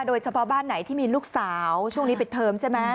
โดยเฉพาะบ้านไหนที่มีลูกสาวช่วงนี้ปิดเทอมใช่ไหม